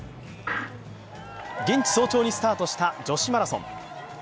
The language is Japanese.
現地早朝にスタートした女子マラソン。